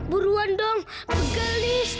buruan dong begalis